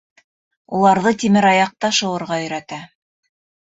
Уларҙы тимераяҡта шыуырға өйрәтә.